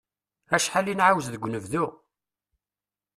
Acḥal i nεawez deg unebdu!